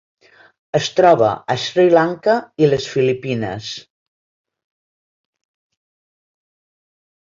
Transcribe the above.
Es troba a Sri Lanka i les Filipines.